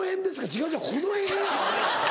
違う違うこの辺や！